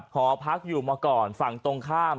หอพักอยู่มาก่อนฝั่งตรงข้าม